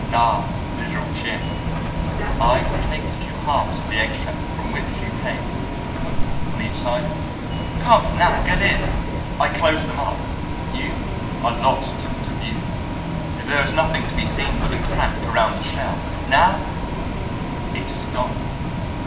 Ah, little chick, I will take the two halves of the egg shell from which you came, and put them on each side of you. Come, now get in! I close them up. You are lost to view. There is nothing to be seen but a crack around the shell! Now it has gone!